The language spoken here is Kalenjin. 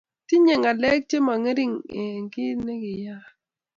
tinye ngalek che mo ngering rng kiit ne kiyaak